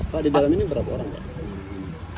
pak di dalam ini berapa orang pak